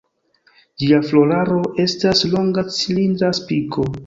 Ĝia floraro estas longa cilindra spiko.